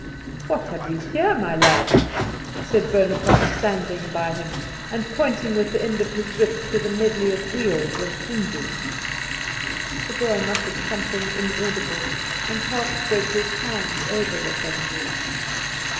"What have you here, my lad?" said Bonaparte, standing by him, and pointing with the end of his whip to the medley of wheels and hinges. The boy muttered something inaudible, and half spread over the thing.